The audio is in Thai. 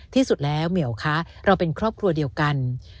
ที่สุดแล้วเหมียวคะเราเป็นครอบครัวเดียวกัน